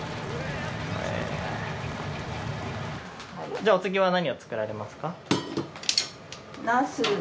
じゃあお次は何を作られますか？